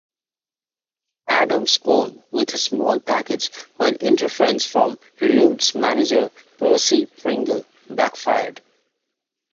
Adams won with a small package when interference from Rude's manager Percy Pringle backfired.